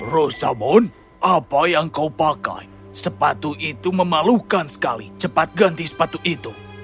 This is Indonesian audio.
rosabon apa yang kau pakai sepatu itu memalukan sekali cepat ganti sepatu itu